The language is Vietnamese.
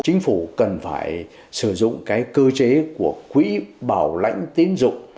chính phủ cần phải sử dụng cơ chế của quỹ bảo lãnh tiến dụng